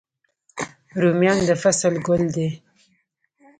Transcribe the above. رومیان د فصل ګل دی